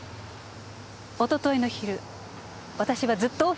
おとといの昼私はずっとオフィスにいました。